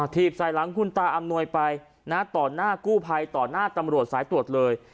ถีบใส่หลังคุณตาอำนวยไปนะต่อหน้ากู้ภัยต่อหน้าตำรวจสายตรวจเลย